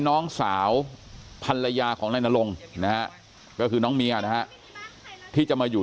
น้องสาวภรรยาของนายนรงค์นะฮะก็คือน้องเมียนะฮะที่จะมาอยู่